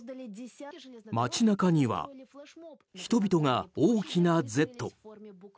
街中には、人々が大きなＺ。